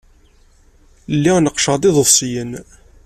Lliɣ neqqceɣ-d iḍebsiyen.